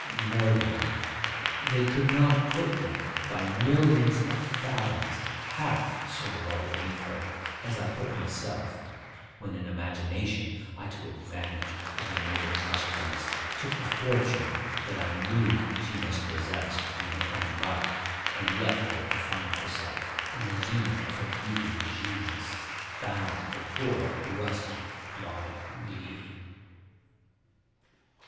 More than that. They could not put me, by millions of fathoms, half so low beneath her as I put myself when in imagination I took advantage of her noble trustfulness, took the fortune that I knew she must possess in her own right, and left her to find herself, in the zenith of her beauty and genius, bound to poor rusty, plodding me.